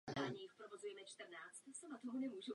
Některé komentáře mívají účinek sebenaplňujícího se proroctví.